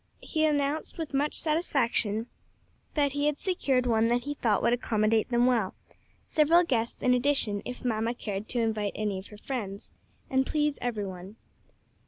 He announced with much satisfaction that he had secured one that he thought would accommodate them well several guests in addition, if mamma cared to invite any of her friends and please every one.